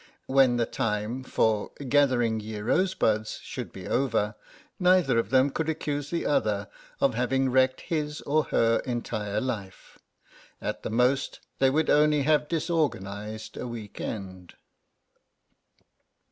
When the time for gathering ye rosebuds should be over, neither of them could accuse the other of having wrecked his or her entire life. At the most they would only have disorganised a week end.